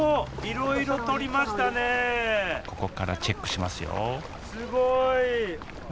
ここからチェックしますよすごい。